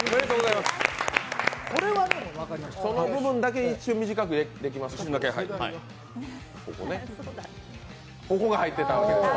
その部分だけ一瞬、短くできますか？